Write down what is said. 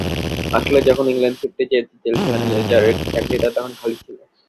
আসলে যখন ইংল্যান্ডে ফিরতে চেয়েছি, চেলসি ম্যানেজারের চাকরিটাও তখন খালি ছিল।